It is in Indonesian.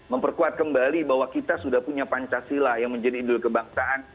memperkuat kembali bahwa kita sudah punya pancasila yang menjadi idul kebangsaan